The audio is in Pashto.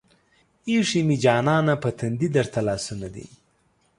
ايښې مې جانانه پۀ تندي درته لاسونه